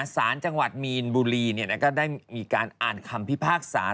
สารจังหวัดมีนบุรีก็ได้มีการอ่านคำพิพากษา